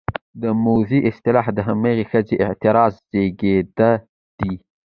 د موذي اصطلاح د همدغې ښځينه اعتراض زېږنده دى: